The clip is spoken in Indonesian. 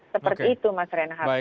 seperti itu mas renhar